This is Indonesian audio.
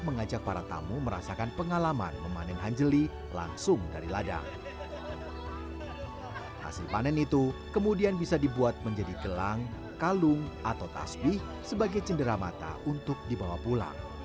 dan juga selain hanjilinya juga dari tumbuhannya itu bisa dibuat sebagai tumbler